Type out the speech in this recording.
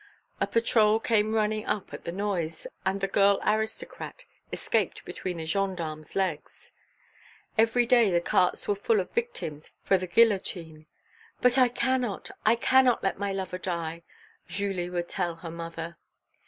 A patrol came running up at the noise, and the girl aristocrat escaped between the gendarmes' legs. Every day the carts were full of victims for the guillotine. "But I cannot, I cannot let my lover die!" Julie would tell her mother.